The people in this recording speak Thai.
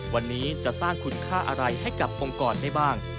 วันนี้จะสร้างคุณค่าอะไรให้กับองค์กรได้บ้าง